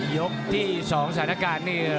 ยกที่๒สถานการณ์นี่